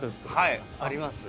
はいあります。